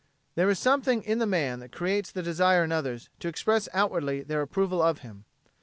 There is something in the man that creates the desire in others to express outwardly their approval of him.